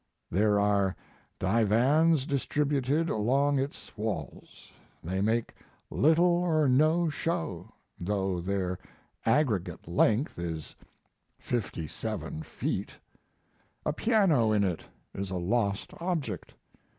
There are divans distributed along its walls. They make little or no show, though their aggregate length is 57 feet. A piano in it is a lost object.